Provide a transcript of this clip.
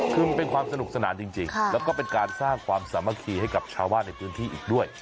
คือมันเป็นความสนุกสนานจริงแล้วก็เป็นการสร้างความสามัคคีให้กับชาวบ้านในพื้นที่อีกด้วย